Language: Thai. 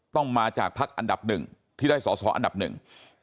ต้องมาจากพักอันดับหนึ่งที่ได้สอสออันดับหนึ่ง